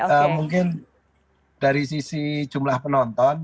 jadi mungkin dari sisi jumlah penonton